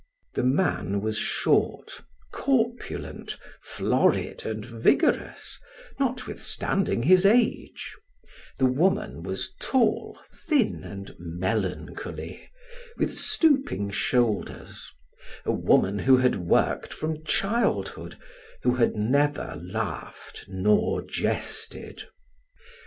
The man was short, corpulent, florid, and vigorous, notwithstanding his age; the woman was tall, thin, and melancholy, with stooping shoulders a woman who had worked from childhood, who had never laughed nor jested.